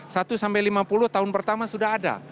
satu sampai lima puluh tahun pertama sudah ada